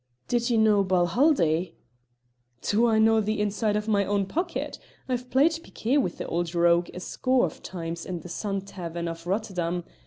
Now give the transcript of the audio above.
"Did you know Balhaldie?" "Do I know the inside of my own pocket! I've played piquet wi' the old rogue a score of times in the Sun tavern of Rotterdam.